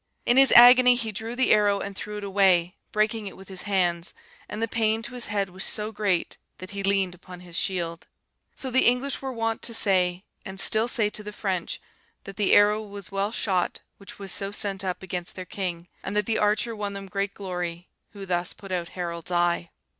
In his agony he drew the arrow and threw it away, breaking it with his hands; and the pain to his head was so great, that he leaned upon his shield. So the English were wont to say, and still say to the French, that the arrow was well shot which was so sent up against their king; and that the archer won them great glory, who thus put out Harold's eye.